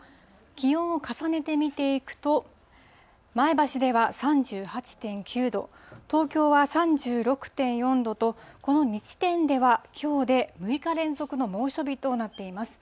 気温を重ねて見ていくと、前橋では３８．９度、東京は３６．４度と、この２地点ではきょうで６日連続の猛暑日となっています。